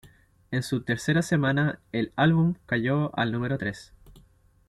En su tercera semana, el álbum cayó al número tres.